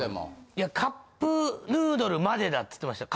いやカップヌードルまでだって言ってました。